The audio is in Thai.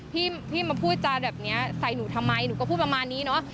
พี่มาพูดจาแบบนี้ใส่หนูทำไมหนูก็พูดประมาณนี้เนอะ